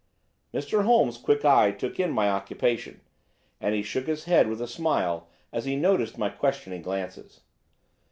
Sherlock Holmes' quick eye took in my occupation, and he shook his head with a smile as he noticed my questioning glances.